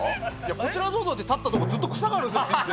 こちらどうぞって立った所、ずっと草があるんですよ。